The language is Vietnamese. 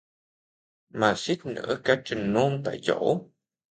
Mà suýt nữa cả trình nôn tại chỗ